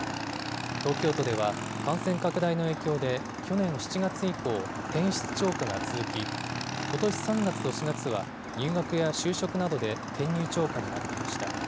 東京都では、感染拡大の影響で去年７月以降、転出超過が続き、ことし３月と４月は、入学や就職などで、転入超過になっていました。